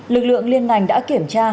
lực lượng liên ngành đã kiểm tra